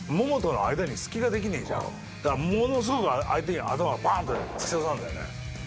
だからものすごく相手に頭がバン！って突き刺さるんだよね。